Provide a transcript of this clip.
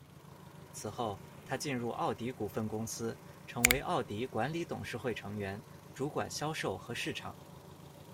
此后，他进入奥迪股份公司，成为奥迪管理董事会成员，主管销售和市场。